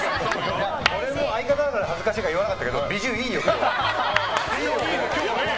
俺の相方だから恥ずかしいから言わなかったけどビジュいいよ、今日。